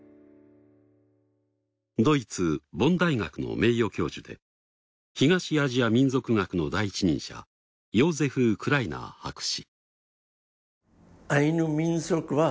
ドイツボン大学の名誉教授で東アジア民族学の第一人者ヨーゼフ・クライナー博士。